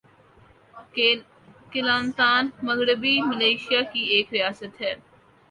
"Kelantan" مغربی Malaysia کی ایک ریاست ہے۔